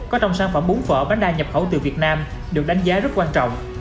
có trong sản phẩm bún phở bánh đa nhập khẩu từ việt nam được đánh giá rất quan trọng